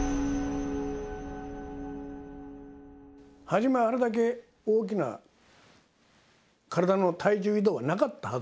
初めはあれだけ大きな体の体重移動はなかったはず。